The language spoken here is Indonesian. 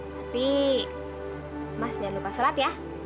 tapi mas jangan lupa sholat ya